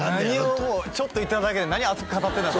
てちょっと行っただけで何熱く語ってんだ？